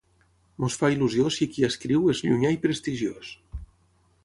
Ens fa il·lusió si qui escriu és llunyà i prestigiós.